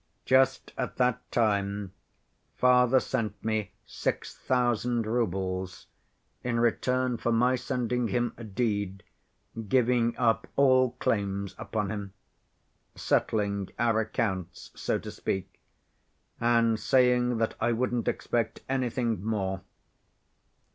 Just at that time father sent me six thousand roubles in return for my sending him a deed giving up all claims upon him—settling our accounts, so to speak, and saying that I wouldn't expect anything more.